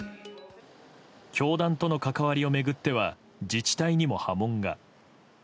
教団との関わりを巡っては自治体にも波紋が。